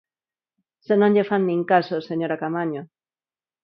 ¡Se non lle fan nin caso, señora Caamaño!